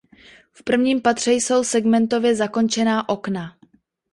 V prvním patře jsou segmentově zakončená okna.